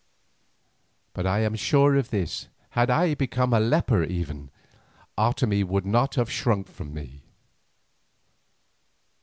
But I am sure of this; had I become a leper even, Otomie would not have shrunk from me.